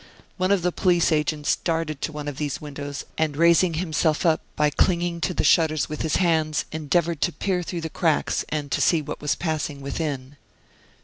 One of the police agents darted to one of these windows, and raising himself up by clinging to the shutters with his hands, endeavored to peer through the cracks, and to see what was passing within.